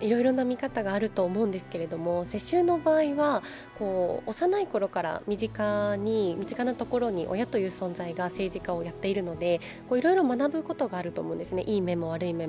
いろいろな見方があると思うんですけれども世襲の場合は、幼いころから身近なところに親という存在が政治家をやっているのでいろいろ学ぶことがあると思うんですね、いい面も悪い面も。